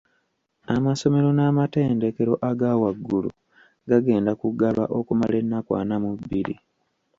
Amasomero n’amatendekero aga waggulu gagenda kuggalwa okumala ennaku ana mu bbiri.